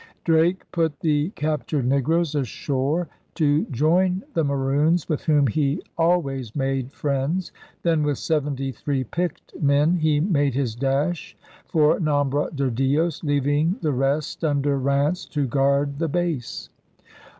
Drake put the captured negroes ashore to join the Maroons, with whom he always made friends. Then with seventy three picked men he made his dash for Nombre de Dios, leaving the rest under Ranse to guard the base.